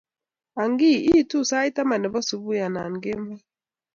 Ang'ii, itu sait taman nebo subui anan kemoi?